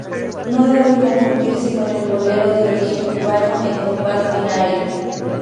No debe confundirse con el bolero de origen cubano en compás binario.